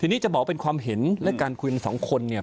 ทีนี้จะบอกว่าเป็นความเห็นและการคุยกันสองคนเนี่ย